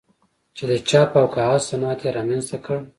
چې د چاپ او کاغذ صنعت یې رامنځته کړ.